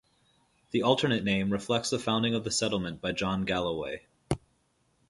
The alternate name reflects the founding of the settlement by John Galloway.